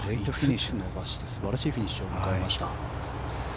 伸ばして、素晴らしいフィニッシュを迎えました。